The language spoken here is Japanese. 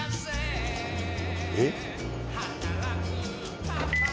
えっ？